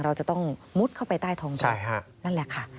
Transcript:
เราจะต้องมุดเข้าไปใต้ท้องรถนั่นแหละค่ะ